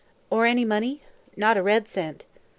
"Or any money?" "Not a red cent."